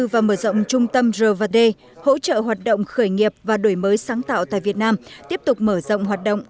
và mở rộng trung tâm r d hỗ trợ hoạt động khởi nghiệp và đổi mới sáng tạo tại việt nam tiếp tục mở rộng hoạt động